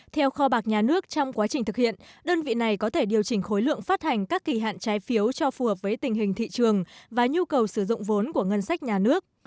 theo kho bạc nhà nước trong quá trình thực hiện đơn vị này có thể điều chỉnh khối lượng phát hành các kỳ hạn trái phiếu cho phù hợp với tình hình thị trường và nhu cầu sử dụng vốn của ngân sách nhà nước